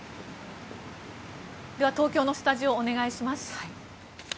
では、東京のスタジオお願いします。